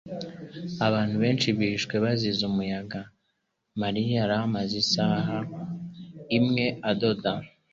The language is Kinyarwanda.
Abantu benshi bishwe bazize umuyaga. Mariya yari amaze isaha imwe adoda.